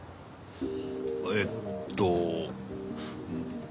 えっと。